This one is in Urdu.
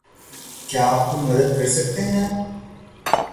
کیا آپ کوئی مدد کر سکتے ہیں؟